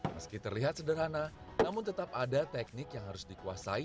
meski terlihat sederhana namun tetap ada teknik yang harus dikuasai